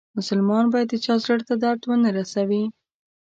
مسلمان باید د چا زړه ته درد و نه روسوي.